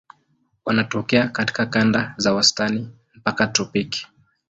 Wanatokea katika kanda za wastani mpaka tropiki.